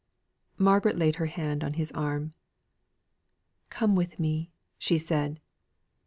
Margaret laid her hand on his arm. "Come with me," she said.